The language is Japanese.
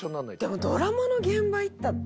でもドラマの現場行ったって。